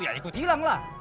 ya ikut hilanglah